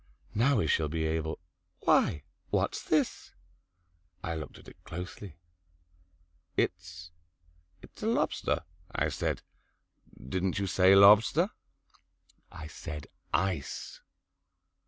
"Now we shall be able Why, what's this?" I looked at it closely. "It's it's a lobster," I said. "Didn't you say lobster?" "I said ice."